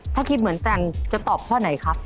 ถ้าคิดเหมือนกันจะตอบข้อไหนครับ